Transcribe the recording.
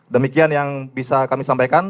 demikian yang bisa kami sampaikan